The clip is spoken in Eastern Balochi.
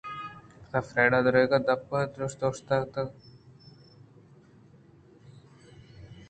پدافریڈا دریگ ءِ دپ ءَ شت ءُاوشتات